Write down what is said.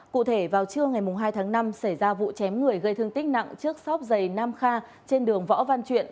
cụ thể vào trưa ngày hai tháng năm xảy ra vụ chém người gây thương tích nặng trước sóc giày nam kha trên đường võ văn truyện